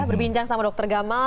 berbincang sama dokter gamal